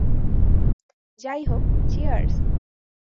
যাইহোক, চিয়ার্স!